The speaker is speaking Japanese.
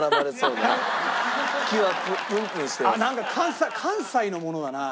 なんか関西のものだな。